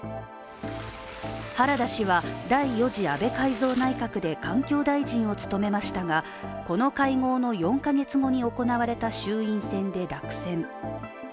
原田氏は第４次安倍改造内閣で環境大臣を務めましたが、この会合の４カ月後に行われた衆院選で落選。